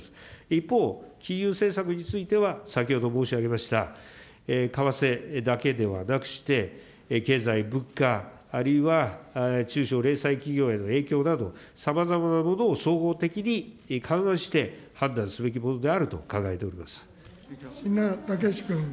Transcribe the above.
一方、金融政策については、先ほど申し上げました為替だけではなくして、経済、物価、あるいは中小零細企業への影響など、さまざまなものを総合的に勘案して判断すべきものであると考えて階猛君。